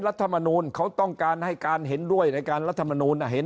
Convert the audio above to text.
รัฐมนูลเขาต้องการให้การเห็นด้วยในการรัฐมนูลเห็น